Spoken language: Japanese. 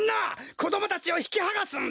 こどもたちをひきはがすんだ！